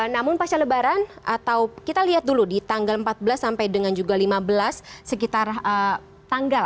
namun pasca lebaran atau kita lihat dulu di tanggal empat belas sampai dengan juga lima belas sekitar tanggal